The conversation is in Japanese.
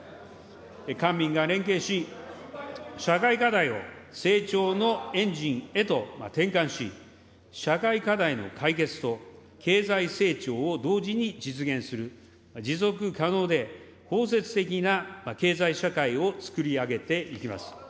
官民が連携し、社会課題を成長のエンジンへと転換し、社会課題の解決と経済成長を同時に実現する、持続可能で包摂的な経済社会を創り上げていきます。